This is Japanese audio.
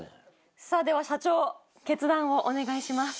さぁでは社長決断をお願いします。